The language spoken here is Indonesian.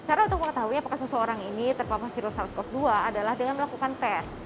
cara untuk mengetahui apakah seseorang ini terpapar virus sars cov dua adalah dengan melakukan tes